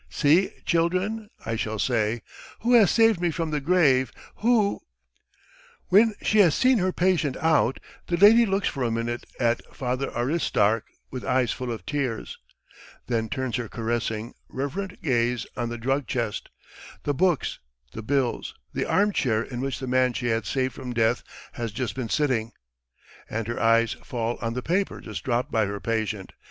'See, children,' I shall say, 'who has saved me from the grave, who ...'" When she has seen her patient out, the lady looks for a minute at Father Aristark with eyes full of tears, then turns her caressing, reverent gaze on the drug chest, the books, the bills, the armchair in which the man she had saved from death has just been sitting, and her eyes fall on the paper just dropped by her patient.